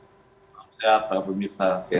selam sehat pak bumir selamat sehat